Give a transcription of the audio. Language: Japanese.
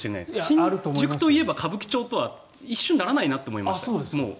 新宿といえば歌舞伎町とは一瞬ならないとは思いました。